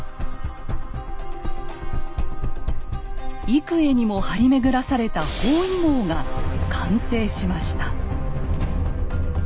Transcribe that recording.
幾重にも張り巡らされた包囲網が完成しました。